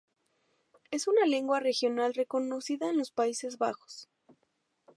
Es una lengua regional reconocida en los Países Bajos.